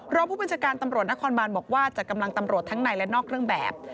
รองผู้บัญชาการตำรวจนครบานบอกว่าจัดกำลังตำรวจทั้งในและนอกเครื่องแบบ